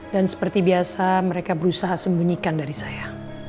dan seperti biasa mereka berusaha sembunyikan dari saya